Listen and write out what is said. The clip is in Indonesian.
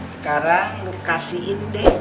sekarang lu kasihin deh